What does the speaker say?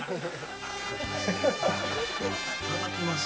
いただきます。